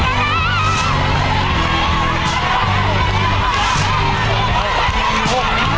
พี่เจ้ากำลังเป็นแขวนนะครับ